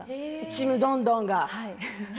「ちむどんどん」が。